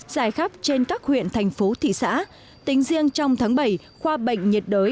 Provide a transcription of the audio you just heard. giải khắp trên các huyện thành phố thị xã tính riêng trong tháng bảy khoa bệnh nhiệt đới